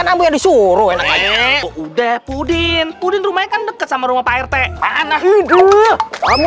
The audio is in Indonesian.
namanya disuruh udah pudin pudin rumahnya kan dekat sama rumah pak rt anak hidup kamu